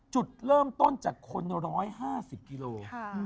จุดเริ่มต้นจากคน๑๕๐กิโล